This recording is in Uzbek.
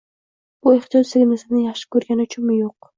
Bu ehtiyot singlisini yaxshi ko'rgani uchunmi? Yo'q.